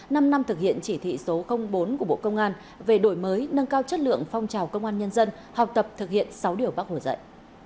năm năm thực hiện chỉ thị số bốn của bộ công an về đổi mới nâng cao chất lượng phong trào công an nhân dân học tập thực hiện sáu điều bác hồ dạy